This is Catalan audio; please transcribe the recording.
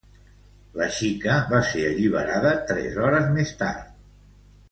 La xica va ser alliberada tres hores més tard.